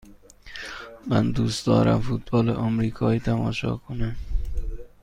من دوست دارم فوتبال آمریکایی تماشا کنم.